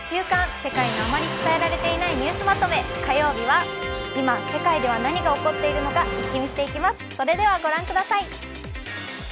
世界のあまり伝えられていないニュースまとめ」火曜日は今、世界では何が起こっているのかイッキ見していきます。